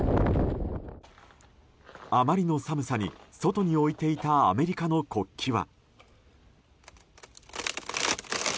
あまりの寒さに外に置いていたアメリカの国旗は。